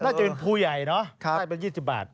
น่าจะเป็นผู้ใหญ่เนอะได้เป็น๒๐บาท